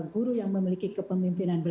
guru yang memiliki kepemimpinan